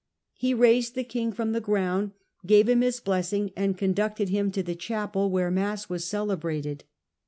He raised the king from the ground, gave him his bless ing, and conducted him to the chapel * where mass was celebrated.